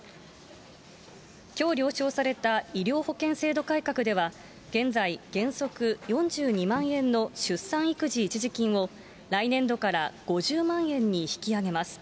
きょう了承された医療保険制度改革では、現在、原則４２万円の出産育児一時金を来年度から５０万円に引き上げます。